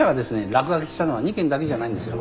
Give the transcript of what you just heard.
落書きしたのは２件だけじゃないんですよ。